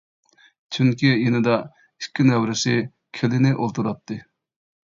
چۈنكى يېنىدا ئىككى نەۋرىسى، كېلىنى ئولتۇراتتى.